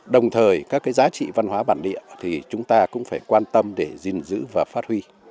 đồng thời các cái giá trị văn hóa bản địa thì chúng ta cũng phải quan tâm để gìn giữ và phát huy